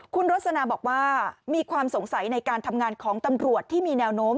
คุณรสนาบอกว่ามีความสงสัยในการทำงานของตำรวจที่มีแนวโน้ม